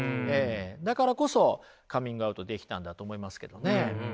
だからこそカミングアウトできたんだと思いますけどね。